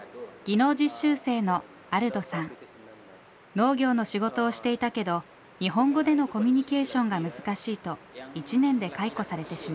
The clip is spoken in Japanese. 農業の仕事をしていたけど日本語でのコミュニケーションが難しいと１年で解雇されてしまった。